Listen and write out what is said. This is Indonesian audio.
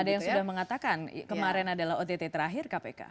ada yang sudah mengatakan kemarin adalah ott terakhir kpk